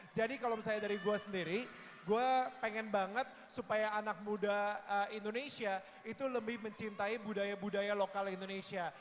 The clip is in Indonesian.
jadi kalau misalnya dari gue sendiri gue pengen banget supaya anak muda indonesia itu lebih mencintai budaya budaya lokal indonesia